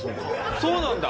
そうなんだ！